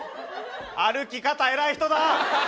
歩き方偉い人だ！